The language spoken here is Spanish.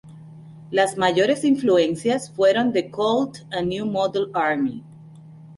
Las mayores influencias fueron The Cult y New Model Army.